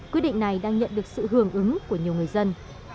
quyết định này đang nhận được sự hưởng ứng của nhiều người dân